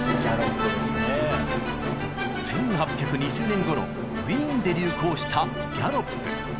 １８２０年ごろウィーンで流行したギャロップ。